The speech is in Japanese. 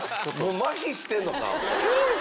まひしてんのか？